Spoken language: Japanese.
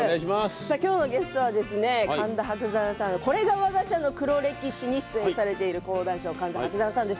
今日のゲストは「神田伯山のこれがわが社の黒歴史」に出演されている講談師の神田伯山さんです。